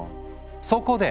そこで！